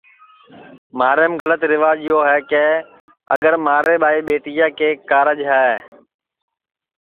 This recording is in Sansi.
مہاریم گلت ریواج یو ہے کہ اگر مہارے ٻائی ٻیٹیا کے کارج ہے